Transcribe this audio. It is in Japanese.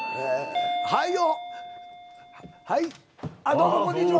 どうもこんにちは。